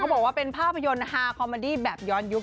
บอกว่าเป็นภาพยนตร์ฮาคอมเมอดี้แบบย้อนยุค